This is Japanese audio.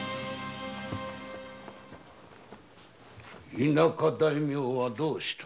田舎大名はどうした？